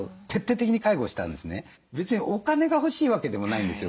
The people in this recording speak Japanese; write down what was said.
別にお金が欲しいわけでもないんですよ